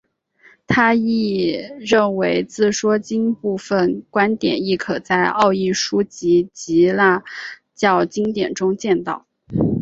他亦认为自说经部份观点亦可在奥义书及耆那教经典中见到。